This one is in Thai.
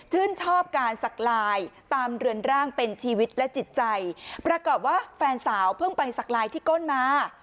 ชอบการสักลายตามเรือนร่างเป็นชีวิตและจิตใจประกอบว่าแฟนสาวเพิ่งไปสักลายที่ก้นมา